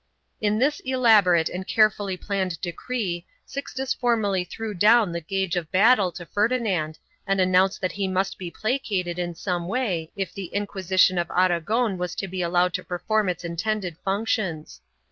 1 In this elaborate and carefully planned decree Sixtus formally threw down the gage of battle to Ferdinand and announced that he must be placated in some way if the Inquisition of Aragon was to be allowed to perform its intended functions.